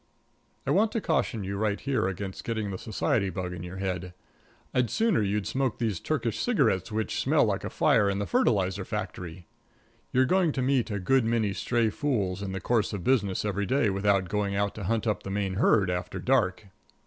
I want to caution you right here against getting the society bug in your head. I'd sooner you'd smoke these Turkish cigarettes which smell like a fire in the fertilizer factory. You're going to meet a good many stray fools in the course of business every day without going out to hunt up the main herd after dark.